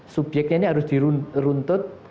subyeknya ini harus diruntut